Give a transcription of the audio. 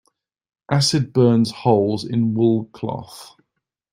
Acid burns holes in wool cloth.